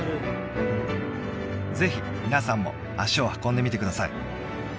ぜひ皆さんも足を運んでみてください